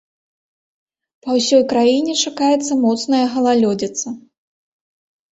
Па ўсёй краіне чакаецца моцная галалёдзіца.